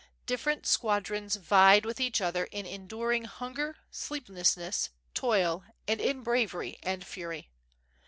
Different squad rons vied with each other in enduring hunger, sleeplessness, toil, and in bravery and fury.